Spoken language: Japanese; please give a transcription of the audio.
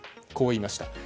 こう言いました。